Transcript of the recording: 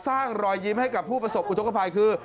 รอยยิ้มให้กับผู้ประสบอุทธกภัยคือ